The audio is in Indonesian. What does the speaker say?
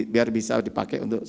biar bisa dipakai untuk sepuluh lacur